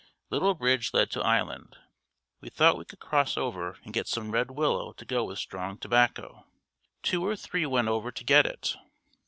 Little bridge led to island. We thought we could cross over and get some red willow to go with strong tobacco. Two or three went over to get it.